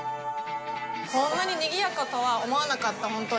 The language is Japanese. こんなににぎやかとは思わなかった。